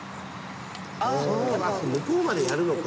向こうまでやるのか！